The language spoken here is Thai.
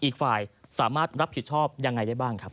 อีกฝ่ายสามารถรับผิดชอบยังไงได้บ้างครับ